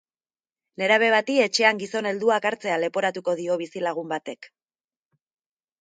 Nerabe bati etxean gizon helduak hartzea leporatuko dio bizilagun batek.